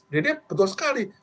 jadi betul sekali